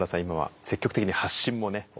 今は積極的に発信もね